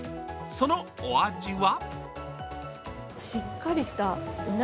そのお味は？